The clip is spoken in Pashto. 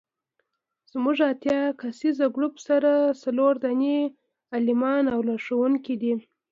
زموږ اتیا کسیز ګروپ سره څلور دیني عالمان او لارښوونکي دي.